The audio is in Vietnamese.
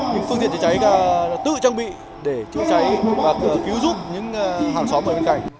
những phương tiện chữa cháy đã tự trang bị để chữa cháy và cứu giúp những hàng xóm ở bên cạnh